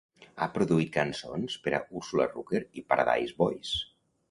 Ha produït cançons per a Ursula Rucker i Paradise Boys.